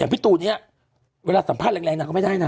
พี่ตูนเนี่ยเวลาสัมภาษณ์แรงนางก็ไม่ได้นะ